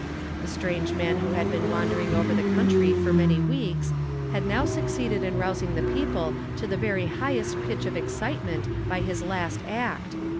The strange man who had been wandering over the countiy for many weeks had now succeeded in rousing the people to the very highest pitch of excitement by his last act.